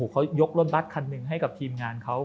เขายกรถบัสคันหนึ่งให้กับทีมงานเขา